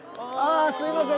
すいません。